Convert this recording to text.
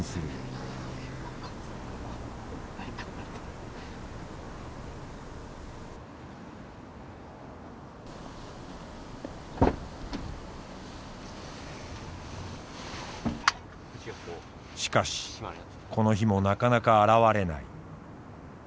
しかしこの日もなかなか現れない。